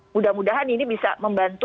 mudah mudahan ini bisa membantu